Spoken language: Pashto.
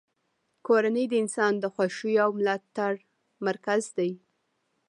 کورنۍ د انسان د خوښۍ او ملاتړ مرکز دی.